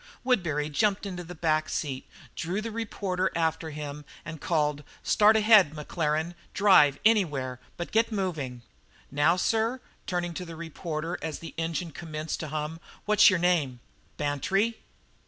Woodbury jumped into the back seat, drew the reporter after him, and called: "Start ahead, Maclaren drive anywhere, but get moving." "Now, sir," turning to the reporter as the engine commenced to hum, "what's your name?" "Bantry."